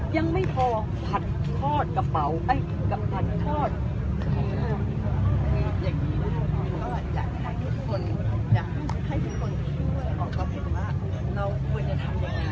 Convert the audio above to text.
ยังไม่พอผัดคลอดกระเป๋าปลา